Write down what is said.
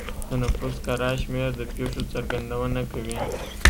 د نفوس کره شمېر د پېښو څرګندونه کوي.